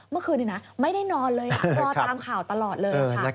เมื่อคืนนี้นะไม่ได้นอนเลยรอตามข่าวตลอดเลยค่ะ